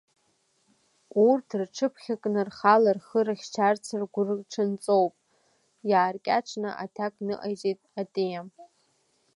Урҭ рҽыԥхьакны рхала рхы рыхьчарц ргәырҽанҵоуп, иааркьаҿны аҭак ныҟаиҵеит Отиа.